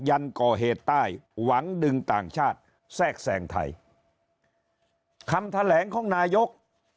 ยันก่อเหตุใต้หวังดึงต่างชาติแทรกแสงไทยคำแถลงของนายก